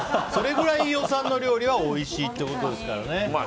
それぐらい飯尾さんの料理はおいしいってことですからね。